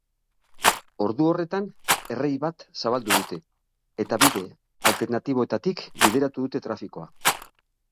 Ordu horretan errei bat zabaldu dute, eta bide alternatiboetatik bideratu dute trafikoa.